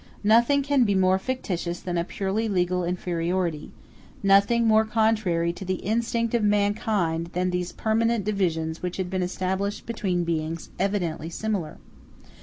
Nothing can be more fictitious than a purely legal inferiority; nothing more contrary to the instinct of mankind than these permanent divisions which had been established between beings evidently similar.